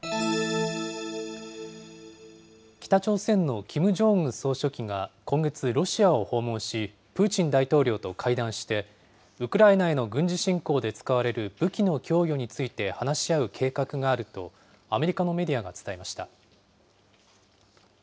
北朝鮮のキム・ジョンウン総書記が今月、ロシアを訪問し、プーチン大統領と会談して、ウクライナへの軍事侵攻で使われる武器の供与について話し合う計画があると、アメリカのメディアが伝えました。